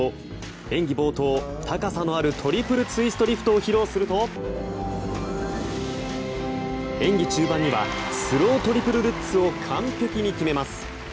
演技冒頭、高さのあるトリプルツイストリフトを披露すると演技中盤にはスロートリプルルッツを完璧に決めます。